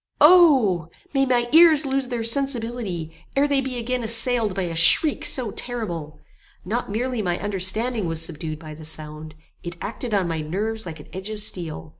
O! may my ears lose their sensibility, ere they be again assailed by a shriek so terrible! Not merely my understanding was subdued by the sound: it acted on my nerves like an edge of steel.